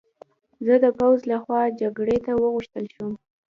زه د پوځ له خوا جګړې ته وغوښتل شوم